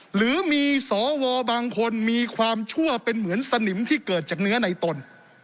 หรือมีสวบางคนมีความชั่วเป็นเหมือนสนิมที่เกิดจากเนื้อในตน